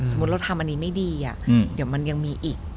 สมมติว่าทำอันนี้ไม่ดีอ้ะเดี๋ยวมันยังมีอีก